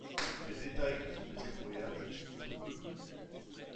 Les détails de ce deuxième voyage sont très peu connus.